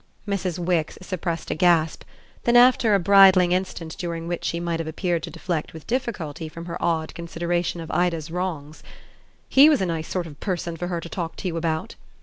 Mrs. Wix suppressed a gasp; then after a bridling instant during which she might have appeared to deflect with difficulty from her odd consideration of Ida's wrongs: "He was a nice sort of person for her to talk to you about!"